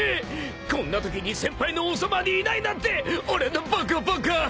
こんなときに先輩のおそばにいないなんて俺のバカバカ！］